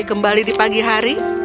kembali di pagi hari